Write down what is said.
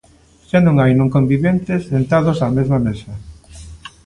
Xa non hai non conviventes sentados á mesma mesa.